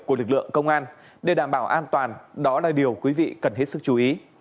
của lực lượng công an để đảm bảo an toàn đó là điều quý vị cần hết sức chú ý